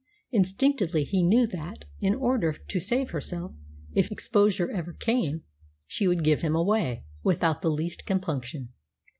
Instinctively he knew that, in order to save herself, if exposure ever came, she would "give him away" without the least compunction.